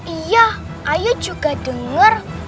iya ayo juga denger